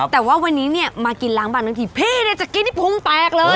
แต่ว่าวันนี้เนี่ยมากินล้างบางทั้งทีพี่เนี่ยจะกินที่พุงแตกเลย